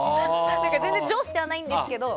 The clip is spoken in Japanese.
全然上司ではないんですけど。